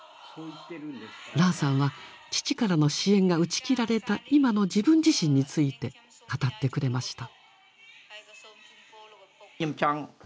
ラーさんは父からの支援が打ち切られた今の自分自身について語ってくれました。